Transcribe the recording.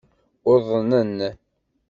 Uḍnen.